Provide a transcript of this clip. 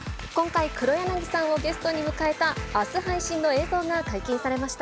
今回、黒柳さんをゲストに迎えたあす配信の映像が解禁されました。